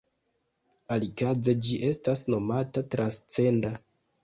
Alikaze, ĝi estas nomata "transcenda".